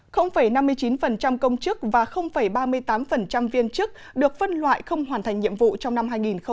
năm mươi chín công chức và ba mươi tám viên chức được phân loại không hoàn thành nhiệm vụ trong năm hai nghìn một mươi chín